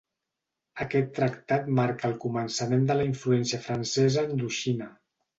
Aquest tractat marca el començament de la influència francesa a Indoxina.